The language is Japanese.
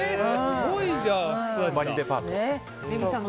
すごいじゃん。